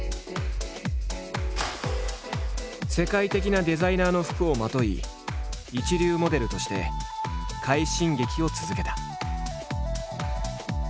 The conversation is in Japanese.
世界的なデザイナーの服をまとい一流モデルとして快進撃を続けた。